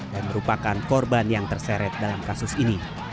dan merupakan korban yang terseret dalam kasus ini